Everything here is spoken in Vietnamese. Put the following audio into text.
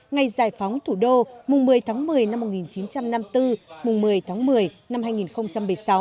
ngày giải phóng thủ đô mùng một mươi tháng một mươi năm một nghìn chín trăm năm mươi bốn mùng một mươi tháng một mươi năm hai nghìn một mươi sáu